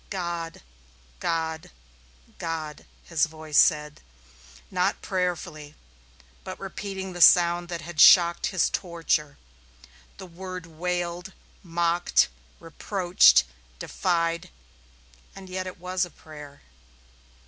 "God, God, God!" his voice said, not prayerfully, but repeating the sound that had shocked his torture. The word wailed, mocked, reproached, defied and yet it was a prayer.